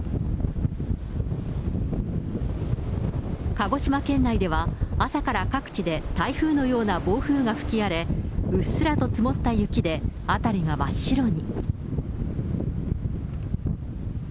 鹿児島県内では、朝から各地で台風のような暴風が吹き荒れ、うっすらと積もった雪で辺りが真っ白に。